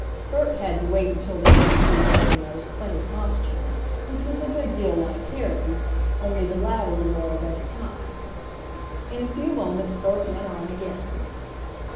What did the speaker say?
Bert had to wait until they got through laughing at his funny costume, which was a good deal like Harry's, only the latter wore a red tie. In a few moments Bert went on again.